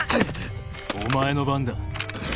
お前の番だ。